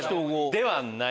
ではない。